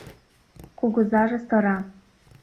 — Кугызаже сыра.